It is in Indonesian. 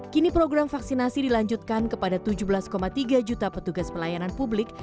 kini program vaksinasi dilanjutkan kepada tujuh belas tiga juta petugas pelayanan publik